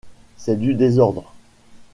C’est du désordre.